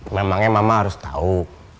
memangnya mama harus tau